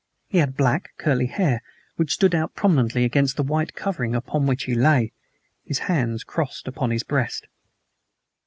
He had black, curly hair, which stood out prominently against the white covering upon which he lay, his hands crossed upon his breast.